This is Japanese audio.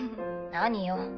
何よ？